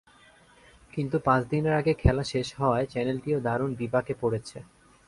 কিন্তু পাঁচ দিনের আগে খেলা শেষ হওয়ায় চ্যানেলটিও দারুণ বিপাকে পড়েছে।